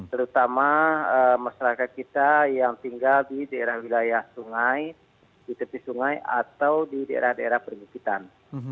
terutama masyarakat kita yang tinggal di daerah wilayah sungai di tepi sungai atau di daerah daerah permukitan